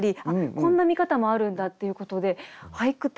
こんな見方もあるんだっていうことで俳句って